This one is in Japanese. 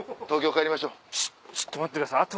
ちょっと待ってくださいあと。